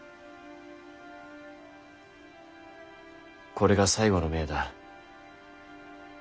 これが最後の命だ。